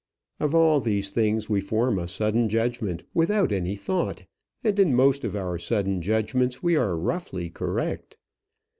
Of all these things we form a sudden judgment without any thought; and in most of our sudden judgments we are roughly correct.